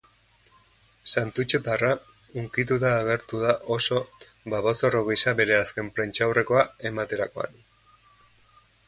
Santutxuarra hunkituta agertu da oso babazorro gisa bere azken prentsaurrekoa ematerakoan.